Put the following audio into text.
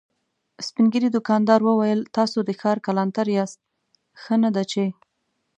سپين ږيری دوکاندار وويل: تاسو د ښار کلانتر ياست، ښه نه ده چې…